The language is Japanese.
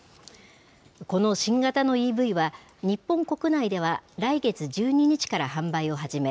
この新型のＥＶは、日本国内では来月１２日から販売を始め、